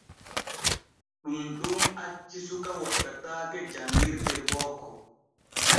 Ɗun ɗon acci suka wattataake janƞirde booko.